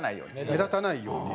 目立たないように。